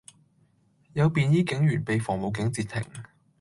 有便衣警員被防暴警截停